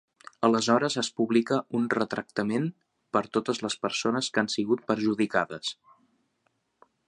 Aleshores es publica un retractament per totes les persones que han sigut perjudicades.